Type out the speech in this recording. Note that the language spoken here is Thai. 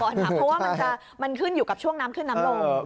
เพราะว่ามันจะขึ้นอยู่กับช่วงน้ำขึ้นน้ำลง